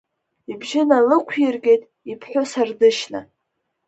Ибжьы налықәиргеит иԥҳәыс Ардышьна.